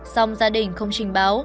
song gia đình không trình báo